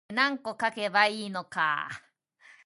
何個書けばいいのか